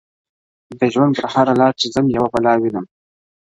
د ژوند پر هره لار چي ځم يوه بلا وينم~